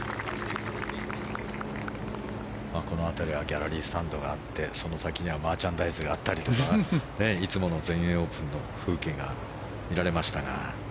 この辺りはギャラリースタンドがあってその先にはマーチャンダイズがあったりとかしていつもの全英オープンの風景が見られましたが。